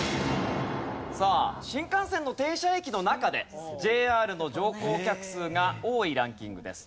さあ新幹線の停車駅の中でＪＲの乗降客数が多いランキングです。